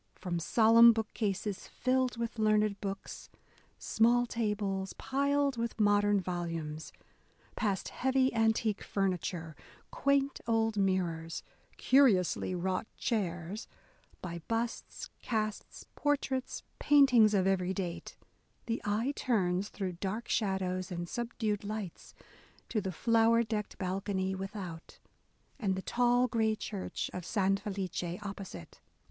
From solemn bookcases, filled with learned books ; small tables, piled with modern volumes, — past heavy antique furniture, quaint old mirrors, curiously wrought chairs, — by busts, casts, por traits, paintings of every date, — the eye turns, through dark shadows and subdued lights, to the flower decked balcony without, and the tall grey church of San Felice opposite.